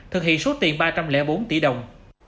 thực hiện số tiền ba trăm linh bốn tỷ đồng